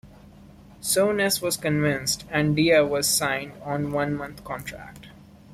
Souness was convinced, and Dia was signed on a one-month contract.